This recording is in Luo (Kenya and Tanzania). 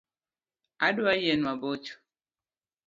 Adwa yien mabocho